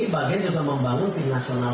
iya dan ini bagian juga membangun tim nasional